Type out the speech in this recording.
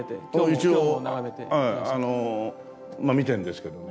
一応見てるんですけどね。